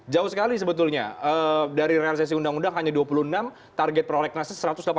jauh sekali sebetulnya dari realisasi undang undang hanya dua puluh enam target prolegnasnya satu ratus delapan puluh